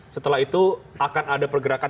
setelah itu akan ada pergerakan